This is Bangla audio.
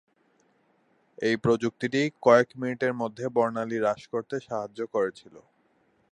এই প্রযুক্তিটি কয়েক মিনিটের মধ্যে বর্ণালী হ্রাস করতে সাহায্য করেছিল।